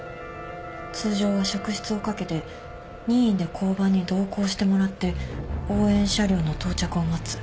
通常は職質をかけて任意で交番に同行してもらって応援車両の到着を待つ。